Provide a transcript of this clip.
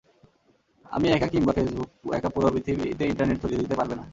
আমি একা কিংবা ফেসবুক একা পুরো পৃথিবীতে ইন্টারনেট ছড়িয়ে দিতে পারবে না।